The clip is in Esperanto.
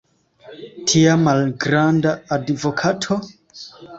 tia malgranda advokato?